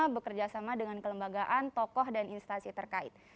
bekerja sama dengan kelembagaan tokoh dan instansi terkait